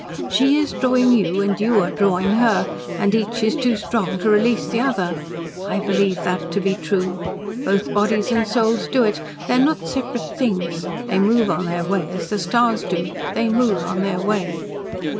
"She is drawing you and you are drawing her, and each is too strong to release the other. I believe that to be true. Both bodies and souls do it. They are not separate things. They move on their way as the stars do they move on their way."